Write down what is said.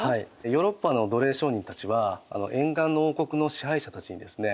ヨーロッパの奴隷商人たちは沿岸の王国の支配者たちにですね